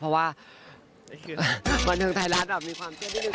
เพราะว่าบนดรงทายล่าสแบบมีความเชื่อนิดนึง